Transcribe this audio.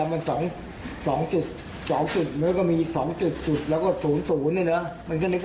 มองเลขศูนย์สุดท้ายเนี่ยตอนลูกค้าออกจากร้านไป